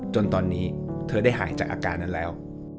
จนตอนนี้เธอได้หายจากอาการนั้นแล้ว